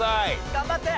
頑張って！